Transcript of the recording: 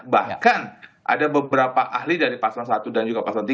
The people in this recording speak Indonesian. bahkan ada beberapa ahli dari paslon satu dan juga pasal tiga